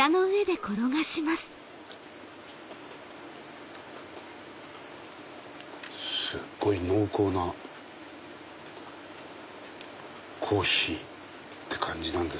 すっごい濃厚なコーヒーって感じなんですけど。